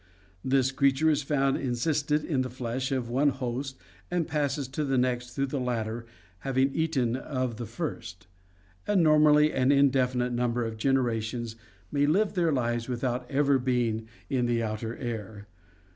This creature is found encysted in the flesh of one host and passes to the next through the latter having eaten of the first, and normally an indefinite number of generations may live their lives without ever being in the outer air.